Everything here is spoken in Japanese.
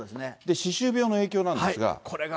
歯周病の影響なんですが。